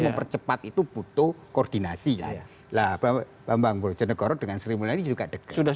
mempercepat itu butuh koordinasi lah pembaham bojonegoro dengan seri mulai juga dekat sudah